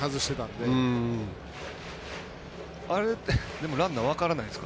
でもランナー分からないですか。